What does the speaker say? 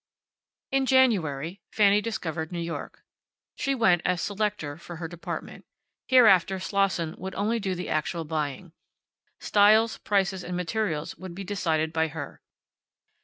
In January Fanny discovered New York. She went as selector for her department. Hereafter Slosson would do only the actual buying. Styles, prices, and materials would be decided by her.